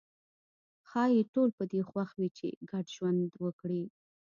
ښايي ټول په دې خوښ وي چې ګډ ژوند وکړي.